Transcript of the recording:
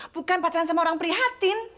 bukan pacaran sama orang prihatin